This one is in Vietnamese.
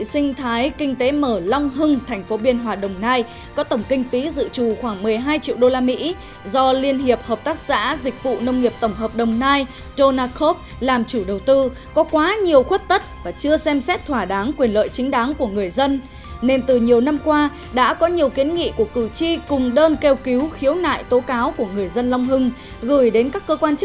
xin kính chào và hẹn gặp lại